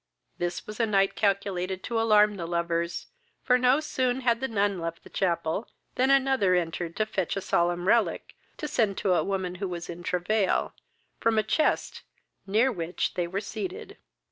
This was a night calculated to alarm the lovers; for no sooner had the nun left the chapel, than another entered to fetch a solemn relic, to send to a woman who was in travail, from the chest near which they were seated.